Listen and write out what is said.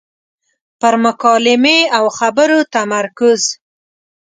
پر مکالمې او خبرو تمرکز.